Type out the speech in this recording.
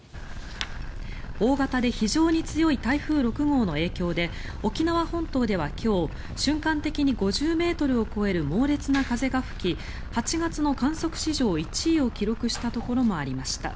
大型で非常に強い台風６号の影響で沖縄本島では今日瞬間的に５０ｍを超える猛烈な風が吹き８月の観測史上１位を記録したところもありました。